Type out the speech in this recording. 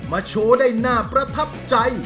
โชว์ได้น่าประทับใจ